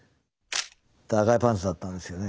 赤いパンツだったんですよね。